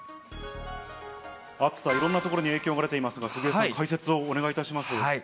暑さ、いろんなところに影響が出ていますが、杉江さん、解説をお願いいたします。